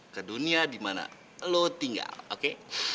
ke dunia di mana lo tinggal oke